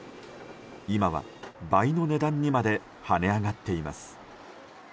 今は、倍の値段にまではね上がっています。